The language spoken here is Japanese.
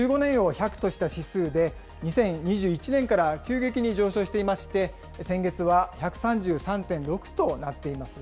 ２０１５年を１００とした指数で２０２１年から急激に上昇していまして、先月は１３３．６となっています。